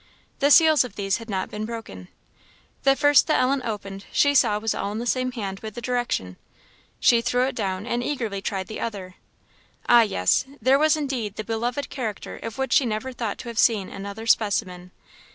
The seals of these had not been broken. The first that Ellen opened she saw was all in the same hand with the direction; she threw it down and eagerly tried the other. And yes! there was indeed the beloved character of which she never thought to have seen another specimen.